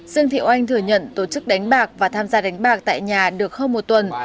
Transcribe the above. dương thị oanh thừa nhận tổ chức đánh bạc và tham gia đánh bạc tại nhà được hơn một tuần